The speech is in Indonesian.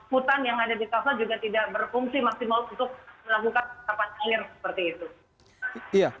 hutan yang ada di kawasan juga tidak berfungsi maksimal untuk melakukan tapan air seperti itu